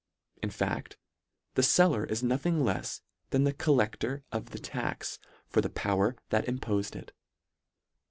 In fait, the feller is nothing lefs than the collector of the tax for the power that impofed it.